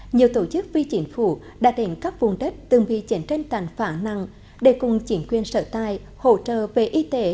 nhiều tổ chức phi chỉnh phủ đã định các vùng đất từng bị chiến tranh tàn phản nặng để cùng chỉnh quyền sở tài hỗ trợ về y tế